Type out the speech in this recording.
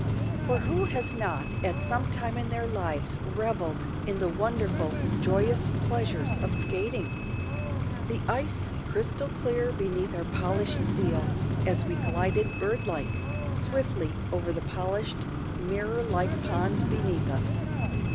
For who has not at some time in their lives revelled in the wonderful, joyous pleasures of skating? The ice crystal clear beneath our polished steel, as we glided bird like, swiftly over the polished, mirror like pond beneath us.